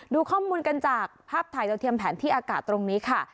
ดูข้อมูลกันจากภาพถ่ายดาวเทียมแผนที่อากาศตรงนี้ค่ะ